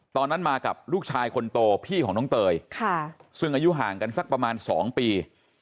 ตอนนั้นมากับลูกชายคนโตพี่ของน้องเตยซึ่งอายุห่างกันสักประมาณ๒ปี